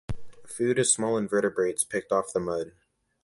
Food is small invertebrates picked off the mud.